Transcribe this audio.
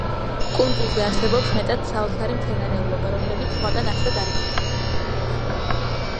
კუნძულზე არსებობს მეტად საოცარი მცენარეულობა, რომლებიც სხვაგან არსად არ იზრდება.